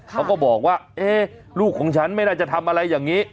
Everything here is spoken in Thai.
เขาก็บอกว่าลูกของฉันไม่น่าจะทำอะไรอย่างนี้